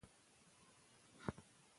فعال چاپېريال د ماشوم زده کړه آسانوي.